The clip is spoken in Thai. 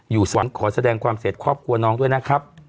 อยู่สวัสดิ์เวียงความเสร็จครอบครัวน้องด้วยนะครับ